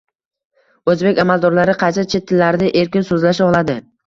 O‘zbek amaldorlari qaysi chet tillarida erkin so‘zlasha oladi?